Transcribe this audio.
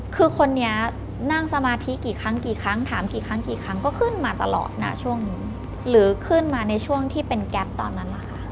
คือคนนี้นั่งสมาธิกี่ครั้งกี่ครั้งถามกี่ครั้งกี่ครั้งก็ขึ้นมาตลอดนะช่วงนี้หรือขึ้นมาในช่วงที่เป็นแก๊ปตอนนั้นล่ะค่ะ